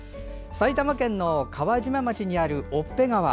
埼玉県の川島町にある越辺川。